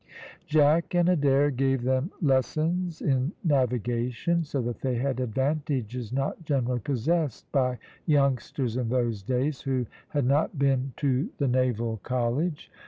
Jack and Adair gave them lessons in navigation, so that they had advantages not generally possessed by youngsters in those days who had not been to the Naval College.